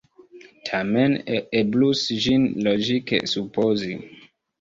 Tamen eblus ĝin logike supozi!